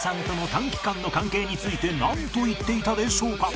短期間の関係についてなんと言っていたでしょうか？